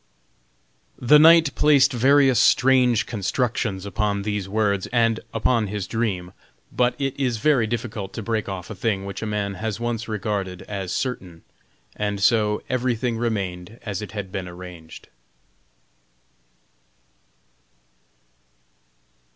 The knight placed various strange constructions upon these words, and upon his dream, but it is very difficult to break off a thing which a man has once regarded as certain, and so everything remained as it had been arranged.